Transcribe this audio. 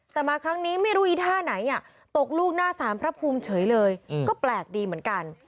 แต่มาครั้งนี้ไม่รู้อีท่าไหนตกลูกหน้าสารพระภูมิเฉยเลยก็แปลกดีเหมือนกัน